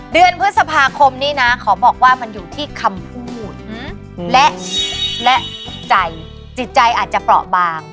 เดือนพฤษภาคมนี้นะขอบอกว่ามันอยู่ที่คำพูดและใจจิตใจอาจจะเปราะบาง